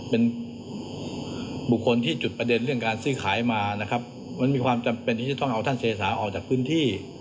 เป็นบุคคลที่จุดประเด็นเรื่องการซื้อขายมานะครับมันมีความจำเป็นที่จะต้องเอาท่านเสษาออกจากพื้นที่